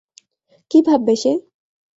কী ভাববে সে?